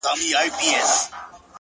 o د تکراري حُسن چيرمني هر ساعت نوې یې؛